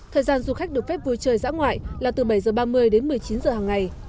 thời gian du khách được phép vui chơi dã ngoại là từ bảy h ba mươi đến một mươi chín h hàng ngày